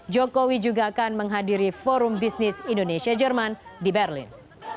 jokowi juga akan menghadiri forum bisnis indonesia jerman di berlin